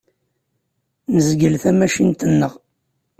Nezgel tamacint-nneɣ.